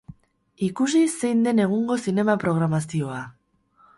Ikusi zein den egungo zinema-programazioa!